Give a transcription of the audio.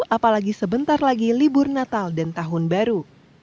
apalagi sebentar lagi libur natal dan tahun baru